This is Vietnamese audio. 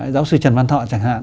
giáo sư trần văn thọ chẳng hạn